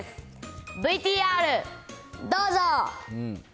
ＶＴＲどうぞ。